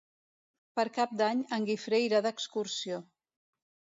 Per Cap d'Any en Guifré irà d'excursió.